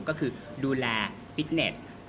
ก็คือดูแลฟิตเน็ต